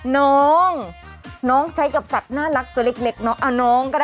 น้องน้องใช้กับสัตว์น่ารักจะเล็กอะน้องก็ได้